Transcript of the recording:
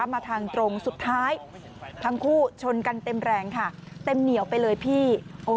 มาทางตรงสุดท้ายทั้งคู่ชนกันเต็มแรงค่ะเต็มเหนียวไปเลยพี่